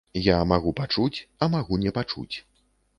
Я магу пачуць, а магу не пачуць.